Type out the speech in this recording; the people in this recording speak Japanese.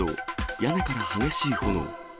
屋根から激しい炎。